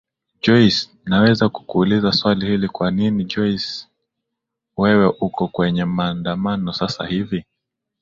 joyce naweza kukuuliza swali hili kwa nini jocye wewe uko kwenye maandamano sasa hivi